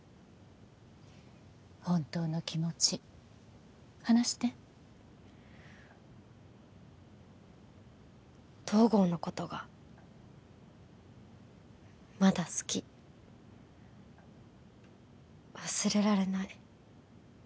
本当の気持ち話して東郷のことがまだ好き忘れられない